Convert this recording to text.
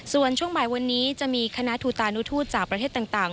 ส่วนช่วงบ่ายวันนี้จะมีคณะทูตานุทูตจากประเทศต่าง